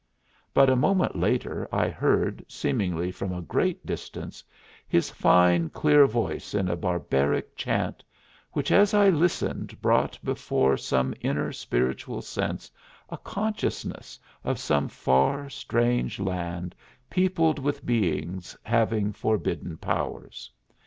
But a moment later I heard, seemingly from a great distance, his fine clear voice in a barbaric chant, which as I listened brought before some inner spiritual sense a consciousness of some far, strange land peopled with beings having forbidden powers.